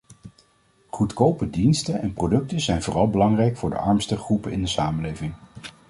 Goedkope diensten en producten zijn vooral belangrijk voor de armste groepen in de samenleving.